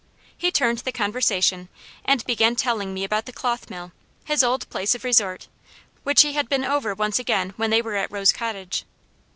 He turned the conversation, and began telling me about the cloth mill his old place of resort; which he had been over once again when they were at Rose Cottage.